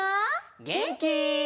げんき？